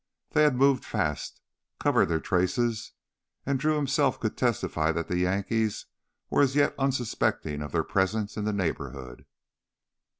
They had moved fast, covered their traces, and Drew himself could testify that the Yankees were as yet unsuspecting of their presence in the neighborhood.